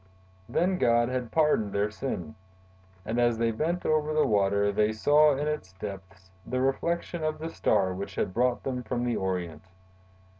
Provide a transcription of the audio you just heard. Then God had pardoned their sin. And, as they bent over the water, they saw in its depths the reflection of the Star which had brought them from the Orient.